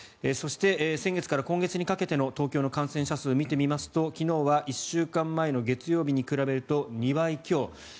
そして、先月から今月にかけての東京の感染者数を見てみますと昨日は１週間前の月曜日に比べると２倍強。